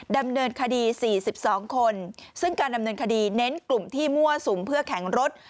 ดำเนินคดี๔๒คนซึ่งการดำเนินคดีเน้นกลุ่มที่มั่วสุมเพื่อแข่งรถ